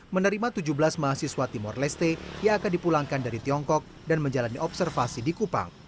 menerima tujuh belas mahasiswa timor leste yang akan dipulangkan dari tiongkok dan menjalani observasi di kupang